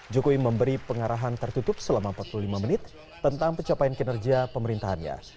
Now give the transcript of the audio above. jokowi memberi pengarahan tertutup selama empat puluh lima menit tentang pencapaian kinerja pemerintahannya